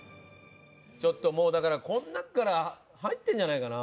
ちょっともうだからこの中から入ってるんじゃないかな？